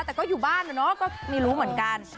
แต่ก็อยู่บ้านนะเนาะก็ไม่รู้เหมือนกัน